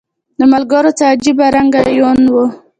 د ملګرو څه عجیبه رنګه یون و